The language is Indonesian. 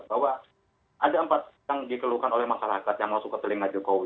bahwa ada empat yang dikeluhkan oleh masyarakat yang masuk ke telinga jokowi